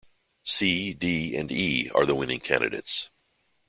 C, D and E are the winning candidates.